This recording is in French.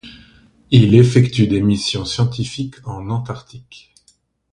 Il effectue des missions scientifiques en Antarctique.